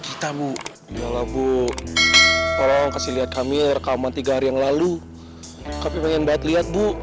kita bu jual lagu tolong kasih lihat kami rekaman tiga hari yang lalu kami pengen banget lihat bu